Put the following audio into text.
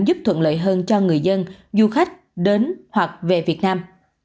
giúp thuận lợi hơn cho người dân du khách đến hoặc về việt nam